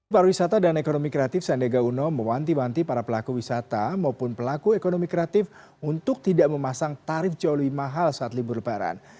pariwisata dan ekonomi kreatif sandiaga uno mewanti wanti para pelaku wisata maupun pelaku ekonomi kreatif untuk tidak memasang tarif jauh lebih mahal saat libur lebaran